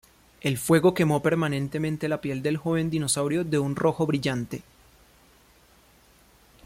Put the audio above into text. El fuego quemó permanentemente la piel del joven dinosaurio de un rojo brillante.